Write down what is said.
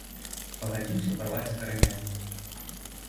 Пагадзіўся парваць з каранямі.